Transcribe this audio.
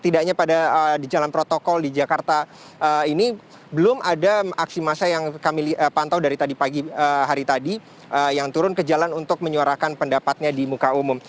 di jakarta ini belum ada aksi masa yang kami pantau dari pagi hari tadi yang turun ke jalan untuk menyuarakan pendapatnya di muka umum